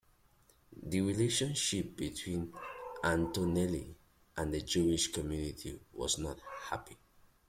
The relationship between Antonelli and the Jewish community was not happy.